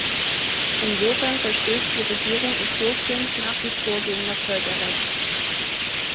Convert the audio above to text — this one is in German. Insofern verstößt die Regierung Äthiopiens nach wie vor gegen das Völkerrecht.